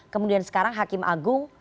kemudian sekarang hakim agung